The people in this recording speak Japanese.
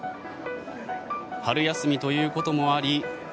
春休みということもあり